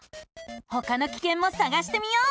ほかのキケンもさがしてみよう！